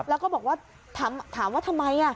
แล้วก็ถามว่าทำไม